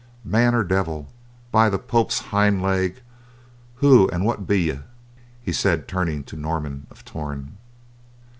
"Man or devil! By the Pope's hind leg, who and what be ye?" he said, turning to Norman of Torn.